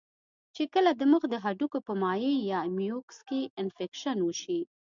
چې کله د مخ د هډوکو پۀ مائع يا ميوکس کې انفکشن اوشي